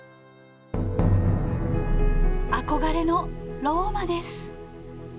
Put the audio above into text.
憧れのローマです。